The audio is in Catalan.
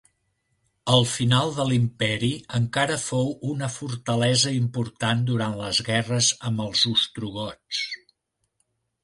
Al final de l'imperi encara fou una fortalesa important durant les guerres amb els ostrogots.